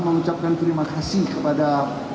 mengucapkan terima kasih kepada